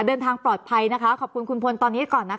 เดินทางปลอดภัยนะคะขอบคุณคุณพลตอนนี้ก่อนนะคะ